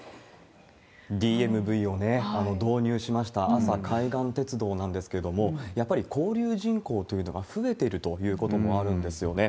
ＤＭＶを導入しました阿佐海岸鉄道なんですけれども、やっぱり交流人口というのが増えてるということもあるんですよね。